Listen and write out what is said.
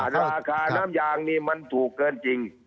ราคาน้ำยางนี่มันถูกเกินจริง